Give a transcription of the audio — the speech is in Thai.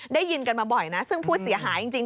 ได้ยินกันมาบ่อยนะซึ่งผู้เสียหายจริง